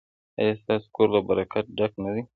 ایا ستاسو کور له برکت ډک نه دی؟